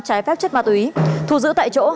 trái phép chất ma túy thu giữ tại chỗ